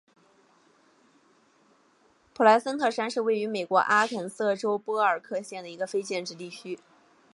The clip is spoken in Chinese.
普莱森特山是位于美国阿肯色州波尔克县的一个非建制地区。